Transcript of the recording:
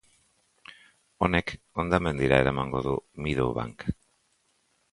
Honek hondamendira eramango du Meadowbank.